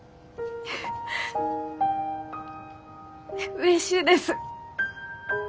うれしいです。